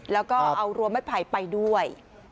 แล้วก็เอารัวไม่ไผ่ไปด้วย